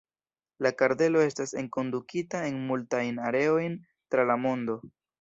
La kardelo estas enkondukita en multajn areojn tra la mondo.